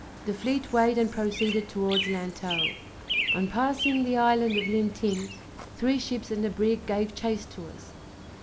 The fleet weighed and proceeded towards Lantow. On passing the island of Lintin, three ships and a brig gave chase to us.